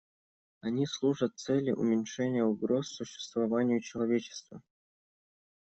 Они служат цели уменьшения угроз существованию человечества.